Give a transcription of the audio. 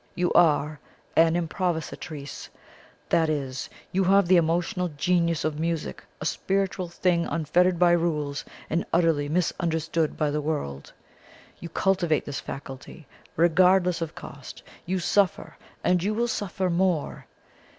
You are an improvisatrice that is, you have the emotional genius of music, a spiritual thing unfettered by rules, and utterly misunderstood by the world. You cultivate this faculty, regardless of cost; you suffer, and you will suffer more.